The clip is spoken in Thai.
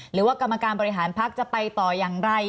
หรือว่ากรรมการบริหารพักจะไปต่ออย่างไร